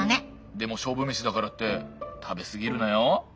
でも勝負メシだからって食べ過ぎるなよ。